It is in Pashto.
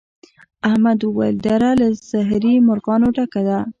احمد وويل: دره له زهري مرغانو ډکه ده.